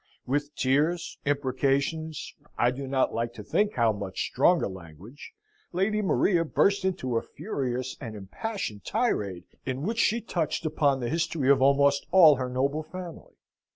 With tears, imprecations, I do not like to think how much stronger language, Lady Maria burst into a furious and impassioned tirade, in which she touched upon the history of almost all her noble family.